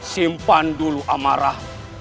simpan dulu amarah